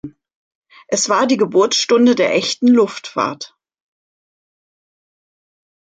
Es war die Geburtsstunde der echten Luftfahrt.